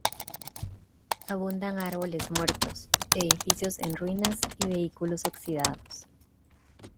Abundan árboles muertos, edificios en ruinas y vehículos oxidados.